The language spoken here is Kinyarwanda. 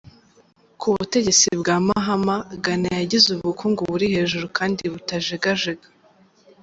Ku butegetsi bwa Mahama, Ghana yagize ubukungu buri hejuru kandi butajegajega.